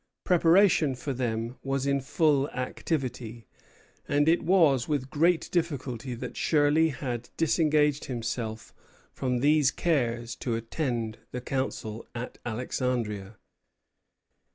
Preparation for them was in full activity; and it was with great difficulty that Shirley had disengaged himself from these cares to attend the council at Alexandria.